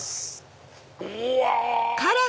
うわ！